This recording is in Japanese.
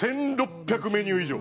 １６００メニュー以上。